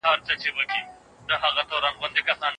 که انصاف وي نو حق نه پاتیږي.